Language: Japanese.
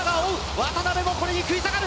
渡辺もこれに食い下がる。